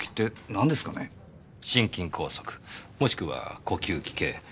心筋梗塞もしくは呼吸器系。